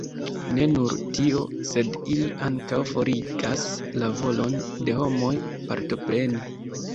Ne nur tio, sed ili ankaŭ forigas la volon de homoj partopreni.